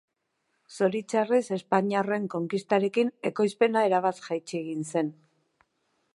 Zoritxarrez espainiarren konkistarekin ekoizpena erabat jaitsi egin zen.